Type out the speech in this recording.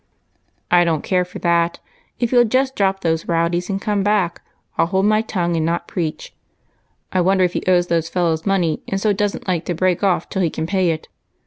" I don't care for that ; if he '11 just droj^ those row dies and come back, I '11 hold my tongue and not preach. I wonder if he owes those fellows money, and so does n't like to break off till he can pay it.